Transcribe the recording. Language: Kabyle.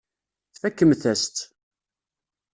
Tfakemt-as-tt.